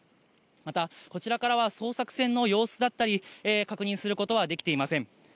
またこちらからは捜索船の様子だったり、確認することはできていません。